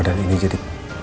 dan ini jadi